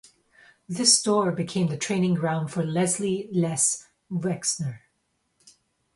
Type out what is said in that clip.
This store became the training ground for Leslie "Les" Wexner.